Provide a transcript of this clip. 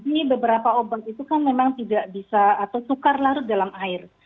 ini beberapa obat itu kan memang tidak bisa atau tukar larut dalam air